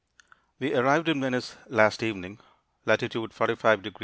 We arrived in Venice last evening, latitude 45 deg.